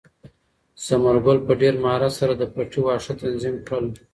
ثمر ګل په ډېر مهارت سره د پټي واښه تنظیم کړل.